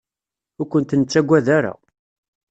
Ur kent-nettaggad ara.